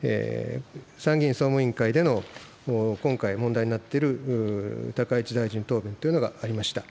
参議院総務委員会での今回、問題になっている高市大臣答弁というのがありました。